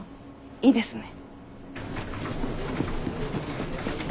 いいですね。